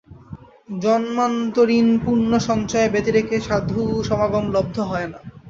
জন্মান্তরীণপুণ্যসঞ্চয় ব্যতিরেকে সাধুসমাগম লব্ধ হয় না।